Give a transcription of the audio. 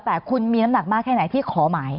แต่คุณมีน้ำหนักมากแค่ไหนที่ขอหมาย